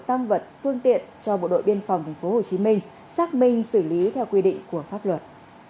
tăng vật phương tiện cho bộ đội biên phòng tp hcm xác minh xử lý theo quy định của pháp luật